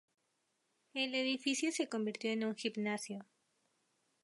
El edificio se convirtió en un gimnasio.